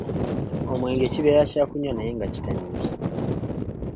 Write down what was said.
Omwenge kibeera kya kunywa naye nga kitamiiza.